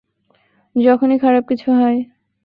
যখনি খারাপ কিছু হয়!